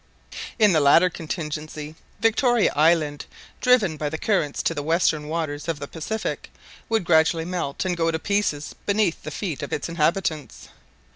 In the latter contingency, Victoria Island, driven by the currents to the western waters of the Pacific, would gradually melt and go to pieces beneath the feet of its inhabitants.